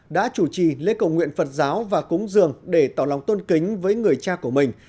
đã chủ trì lễ cầu nguyện phật giáo và cúng dường để tỏ lòng tôn kính với người cha của mình